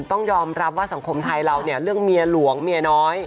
ต้องยอมรับว่าสังคมไทยเราเนี่ยเรื่องเมียหลวงเมียน้อย